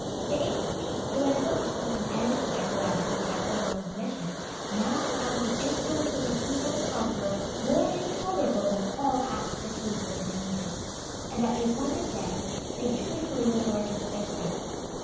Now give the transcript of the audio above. [] The English, who had hoped to put an end to their calamities by servile submission, now found the insolence and rapine of the conqueror more intolerable than all past fatigues and dangers; and at the appointed day, they joyfully resorted to their prince.